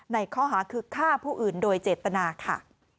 ในข้อหาคือฆ่าผู้อื่นโดยเจตนาค่ะ